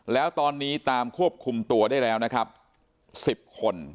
แล้วตอนนี้ตามควบคุมตัวได้แล้วนะครับ๑๐คน